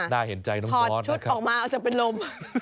ถอดชุดออกมาอาจจะเป็นลม